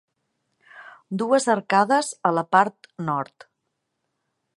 Dues arcades a la part nord.